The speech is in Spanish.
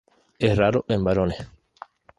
Es raro en varones.